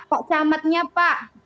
kok selamatnya pak